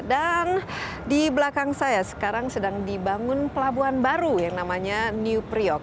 dan di belakang saya sekarang sedang dibangun pelabuhan baru yang namanya new priok